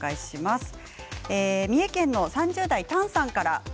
三重県３０代の方からです。